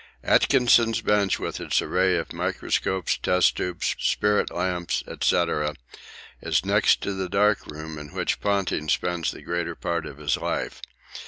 Atkinson's bench with its array of microscopes, test tubes, spirit lamps, &c., is next the dark room in which Ponting spends the greater part of his life.